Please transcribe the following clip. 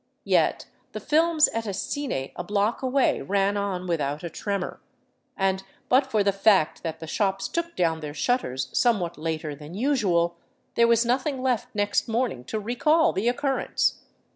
Yet the films at a " Cine " a block away ran on without a tremor, and but for the fact that the shops took down their shutters somewhat later than usual, there was nothing left next morning to recall the occurrence.